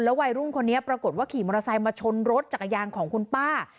วัยรุ่นคนนี้ปรากฏว่าขี่มอเตอร์ไซค์มาชนรถจักรยานของคุณป้า